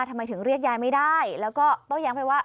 ทำไมถึงเรียกยายไม่ได้แล้วก็โต้แย้งไปว่า